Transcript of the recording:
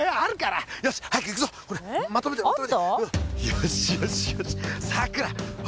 よしよしよしさくら